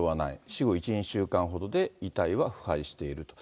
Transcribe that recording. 死後１、２週間ほどで遺体は腐敗していると。